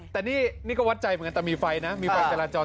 แต่นี่ก็วัดใจเหมือนกันแต่มีไฟนะมีไฟจราจร